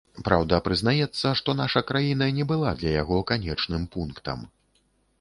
Праўда, прызнаецца, што наша краіна не была для яго канечным пунктам.